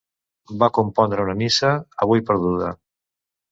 Va compondre una Missa, avui perduda.